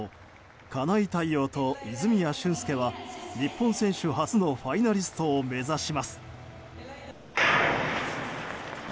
金井大旺と泉谷駿介は日本選手初のファイナリストを目指します。